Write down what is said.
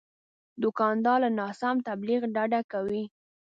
دوکاندار له ناسم تبلیغ ډډه کوي.